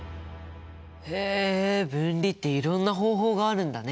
へえ分離っていろんな方法があるんだね。